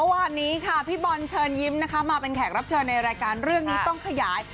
วันนี้ค่ะพี่บอลเชิญยิ้มนะคะมาเป็นแขกรับเชิญในรายการเรื่องนี้ต้องขยาย